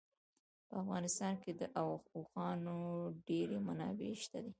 په افغانستان کې د اوښانو ډېرې منابع شته دي.